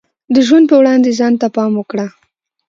د ژوند په وړاندې ځان ته پام وکړه.